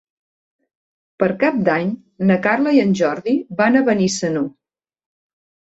Per Cap d'Any na Carla i en Jordi van a Benissanó.